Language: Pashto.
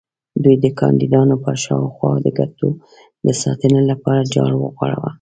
دوی د کاندیدانو پر شاوخوا د ګټو د ساتنې لپاره جال وغوړاوه.